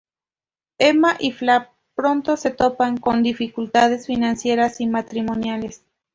Emma y Flap pronto se topan con dificultades financieras y matrimoniales.